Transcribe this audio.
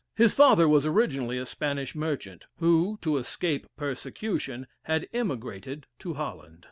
His father was originally a Spanish merchant, who, to escape persecution, had emigrated to Holland.